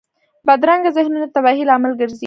بدرنګه ذهنونه د تباهۍ لامل ګرځي